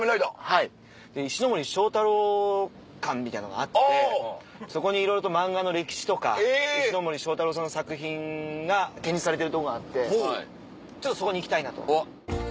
はいで石森章太郎館みたいなのがあってそこにいろいろと漫画の歴史とか石森章太郎さんの作品が展示されてるとこがあってちょっとそこに行きたいなと。